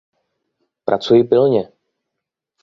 Pracuji pilně!